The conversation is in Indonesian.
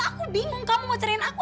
aku bingung kamu mau cariin aku